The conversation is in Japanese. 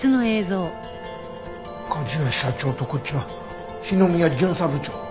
梶谷社長とこっちは篠宮巡査部長？